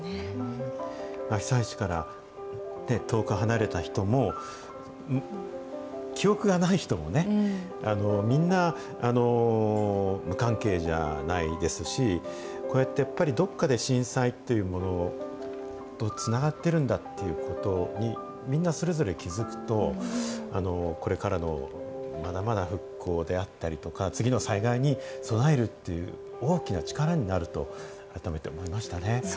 被災地から遠く離れた人も、記憶がない人もね、みんな、無関係じゃないですし、こうやって、やっぱりどこかで震災というものとつながっているんだということに、みんな、それぞれ気付くと、これからの、まだまだ復興であったりとか、次の災害に備えるという大きな力になると、改めて思いましたね。